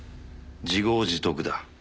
自業自得だ」